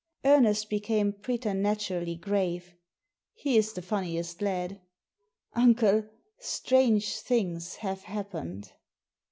Ernest became preternaturally grave; he is the funniest lad. "Uncle, strange things have happened."